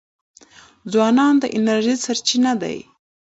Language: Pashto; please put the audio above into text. ځوانان د انرژۍ سرچینه دي.